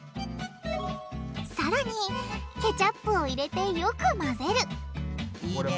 さらにケチャップを入れてよく混ぜるいいね。